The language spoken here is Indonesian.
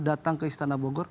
datang ke istana bogor